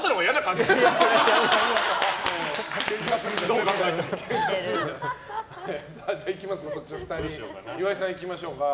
じゃあ岩井さんいきましょうか。